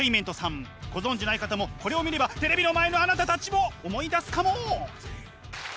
ご存じない方もこれを見ればテレビの前のあなたたちも思い出すかも！